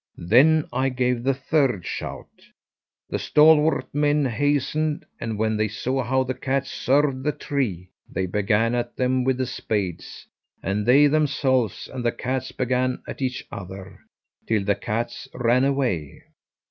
Then I gave the third shout. The stalwart men hastened, and when they saw how the cats served the tree, they began at them with the spades; and they themselves and the cats began at each other, till the cats ran away.